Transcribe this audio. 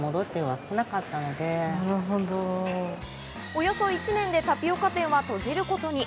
およそ１年でタピオカ店は閉じることに。